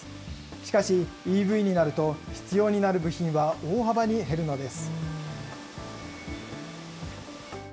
しかし、ＥＶになると、必要になる部品は大幅に減るのです。